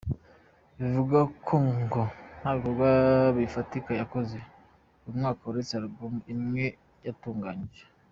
Bivugwa ko ngo nta bikorwa bifatika yakoze uyu mwaka uretse album imwe yatunganyije.